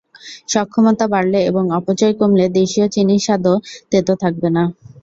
সক্ষমতা বাড়লে এবং অপচয় কমলে দেশীয় চিনির স্বাদও তেতো থাকবে না।